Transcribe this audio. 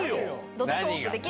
土手トークできる？